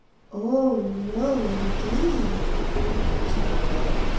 " Oh no, indeed !" answered the Wren.